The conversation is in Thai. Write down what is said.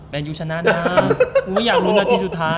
แมนอยู่ชนะนะอยากลุ้นอาทิตย์สุดท้าย